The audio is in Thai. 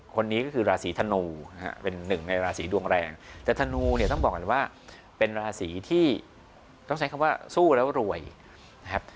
คนนี้ก็คือราศีธนูนะฮะเป็นหนึ่งในราศีดวงแรงแต่ธนูเนี่ยต้องบอกก่อนว่าเป็นราศีที่ต้องใช้คำว่าสู้แล้วรวยนะครับ